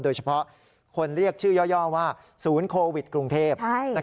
โดยเฉพาะคนเรียกชื่อย่อว่าศูนย์โควิดกรุงเทพ